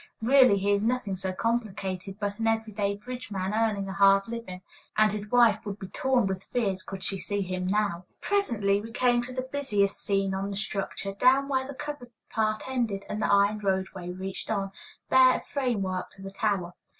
Really he is nothing so complicated, but an every day bridge man earning a hard living; and his wife would be torn with fears could she see him now. Presently we came to the busiest scene on the structure, down where the covered part ended and the iron roadway reached on, bare of framework, to the tower.